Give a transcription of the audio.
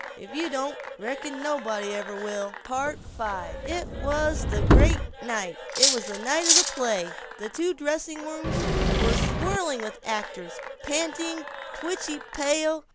If you don't, reckon nobody ever will." V It was the great night; it was the night of the play. The two dressing rooms were swirling with actors, panting, twitchy pale.